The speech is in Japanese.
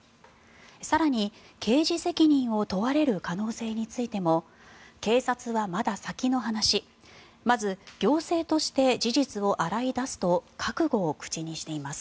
更に、刑事責任を問われる可能性についても警察はまだ先の話まず、行政として事実を洗い出すと覚悟を口にしています。